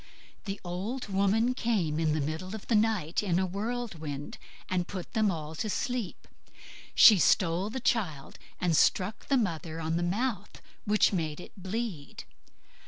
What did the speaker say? The old woman came in the middle of the night in a whirlwind, and put them all to sleep. She stole the child, and struck the mother on the mouth, which made it bleed.